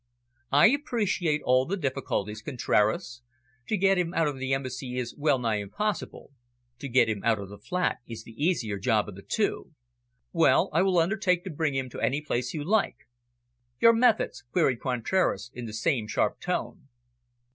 "I appreciate all the difficulties, Contraras. To get him out of the Embassy is well nigh impossible. To get him out of the flat is the easier job of the two. Well, I will undertake to bring him to any place you like." "Your methods?" queried Contraras, in the same sharp tone.